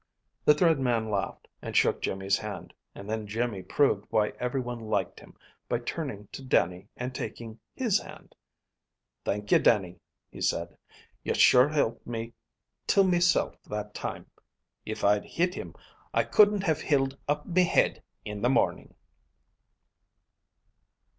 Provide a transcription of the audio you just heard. The Thread Man laughed, and shook Jimmy's hand; and then Jimmy proved why every one liked him by turning to Dannie and taking his hand. "Thank you, Dannie," he said. "You sure hilped me to mesilf that time. If I'd hit him, I couldn't have hild up me head in the morning."